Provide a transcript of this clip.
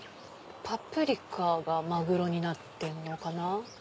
パプリカがマグロになってんのかな。